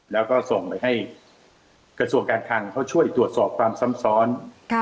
แล้วก็ส่งไปให้กระทรวงการคลังเขาช่วยตรวจสอบความซ้ำซ้อน